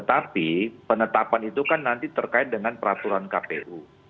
tapi penetapan itu kan nanti terkait dengan peraturan kpu